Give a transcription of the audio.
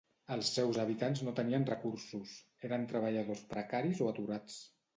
Els seus habitants no tenien recursos, eren treballadors precaris o aturats.